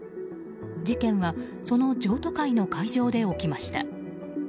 事件はその譲渡会の会場で起きました。